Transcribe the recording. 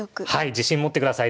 自信持ってください。